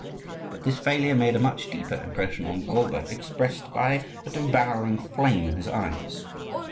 But this failure made a much deeper impression on Bulba, expressed by a devouring flame in his eyes.